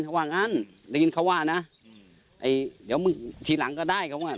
เขาว่างั้นได้ยินเขาว่านะอืมไอ้เดี๋ยวมึงทีหลังก็ได้เขาว่า